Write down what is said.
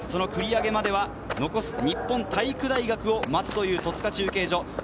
繰り上げまでは、残す日本体育大学を待つ戸塚中継所。